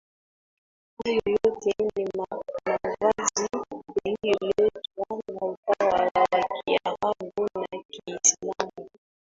Hayo yote ni mavazi yalioletwa na utawala wa kiarabu na kiislamu